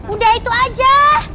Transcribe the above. udah itu aja